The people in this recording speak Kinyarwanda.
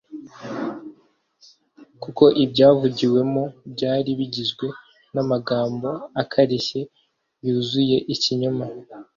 Kuko ibyayivugiwemo byari bigizwe n’amagambo akarishye yuzuye ikinyoma